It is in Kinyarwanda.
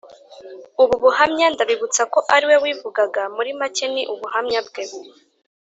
Ubu buhamya ndabibutsa ko ariwe wivugaga, muri make ni ubuhamya bwe.